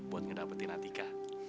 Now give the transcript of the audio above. buat ngedapetin atika